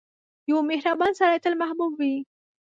• یو مهربان سړی تل محبوب وي.